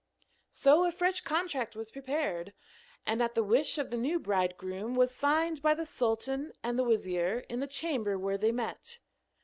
So a fresh contract was prepared, and at the wish of the new bridegroom was signed by the sultan and the wizir in the chamber where they met.